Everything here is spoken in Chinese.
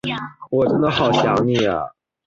现在这座建筑仍然由波兰建筑师协会使用。